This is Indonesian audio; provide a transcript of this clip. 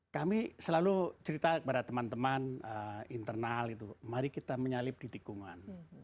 kami selalu cerita kepada teman teman internal itu mari kita menyalip di tikungan